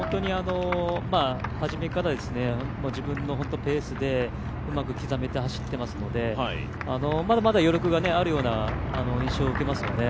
初めから自分のペースでうまく刻めて走っていますので、まだまだ余力があるような印象を受けますよね。